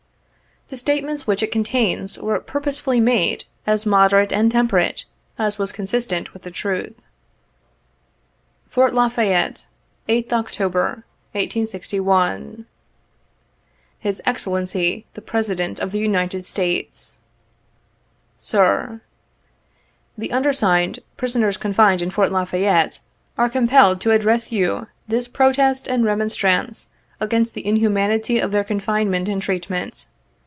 The statements which it contains, were purposely made as moderate and temperate as was con sistent with the truth. 29 "Fort La Fayette, Sth October, 1861. "Sis Excellency, the President of the United States, "Sir: " The undersigned, prisoners confined in Fort La Fayette, are compelled to address you this protest and remonstrance against the inhumanity of their confinement and treatment.